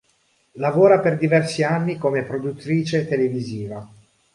Lavora per diversi anni come produttrice televisiva.